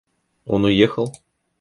Он уехал?